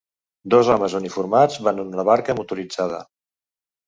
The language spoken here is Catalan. Dos homes uniformats van en una barca motoritzada.